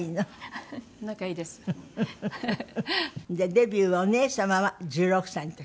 デビューはお姉様は１６歳の時。